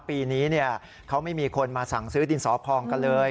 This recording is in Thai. ปีนี้เขาไม่มีคนมาสั่งซื้อดินสอพองกันเลย